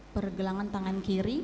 dan kemudian di bagian bawah